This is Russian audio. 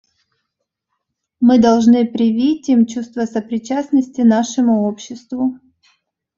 Мы должны привить им чувство сопричастности нашему обществу.